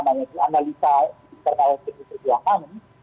bagian dari analisa internal dari pdi perjuangan